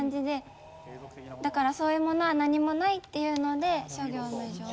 だから「そういうものは何もない」っていうので諸行無常。